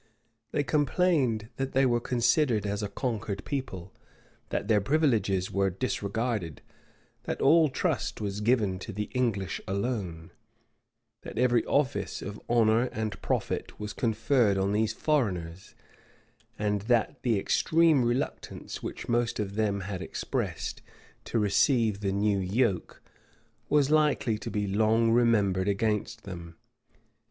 They complained that they were considered as a conquered people, that their privileges were disregarded, that all trust was given to the English alone, that every office of honor and profit was conferred on these foreigners, and that the extreme reluctance, which most of them had expressed, to receive the new yoke, was likely to be long remembered against them.